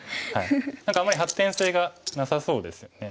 何かあんまり発展性がなさそうですよね。